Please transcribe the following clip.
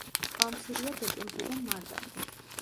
წყალმცირეა დეკემბრიდან მარტამდე.